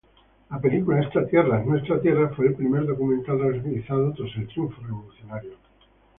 La película "Esta Tierra Nuestra" fue el primer documental realizado tras el triunfo revolucionario.